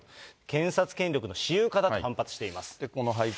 検察権力の私有化だと反発しています。